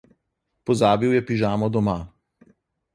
Pozabil je pižamo doma.